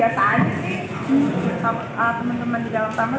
beradaptasinya biasa aja sih teman teman di dalam tamu juga baik baik semua